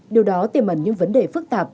điều đó tiềm ẩn những vấn đề phức tạp